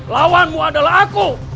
lawanmu adalah aku